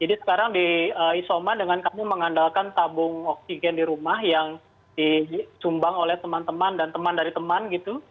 jadi sekarang di isoma dengan kami mengandalkan tabung oksigen di rumah yang disumbang oleh teman teman dan teman dari teman gitu